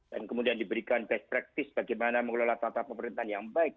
dan kemudian diberikan best practice bagaimana mengelola tata pemerintahan yang baik